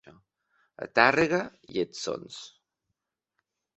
A Tàrrega, lletsons.